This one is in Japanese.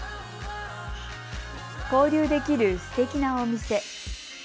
交流できるすてきなお店。